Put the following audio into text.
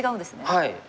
はい。